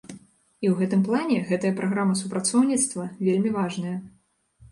І ў гэтым плане гэтая праграма супрацоўніцтва вельмі важная.